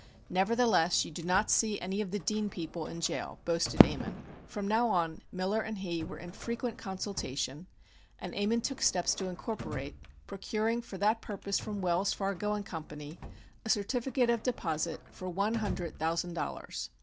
Nevertheless "you do not see any of the Dean people in jail," boasted Ammon. From now on Miller and he were in frequent consultation, and Ammon took steps to incorporate, procuring for that purpose from Wells, Fargo & Co. a certificate of deposit for one hundred thousand dollars.